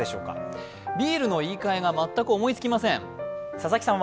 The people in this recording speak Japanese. ビールの言い換えが全く思いつきません。